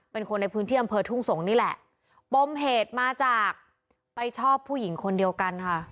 เป็นคนในพื้นที่อำเภอทุ่งสงศ์นี่แหละปมเหตุมาจากไปชอบผู้หญิงคนเดียวกันค่ะ